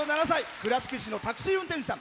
倉敷市のタクシー運転手さん。